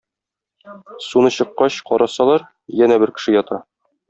Суны чыккач, карасалар, янә бер кеше ята.